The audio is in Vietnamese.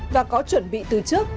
và có chuẩn bị từ trước